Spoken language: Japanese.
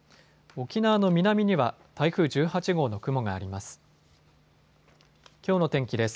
沖縄の南には台風１８号の雲があります。